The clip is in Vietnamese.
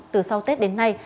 từ sau tết đến nay